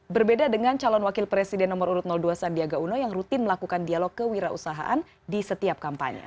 berbeda dengan calon wakil presiden nomor urut dua sandiaga uno yang rutin melakukan dialog kewirausahaan di setiap kampanye